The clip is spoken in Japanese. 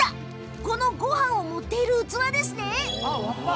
このごはんを盛っている器ですね。